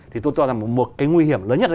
thì tôi cho rằng một cái nguy hiểm lớn nhất là